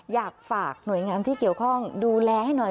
อยากฝากหน่วยงานที่เกี่ยวข้องดูแลให้หน่อย